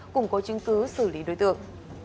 cùng có chứng cứ xử lý đối tượng